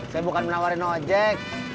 saya bukan menawarin ojek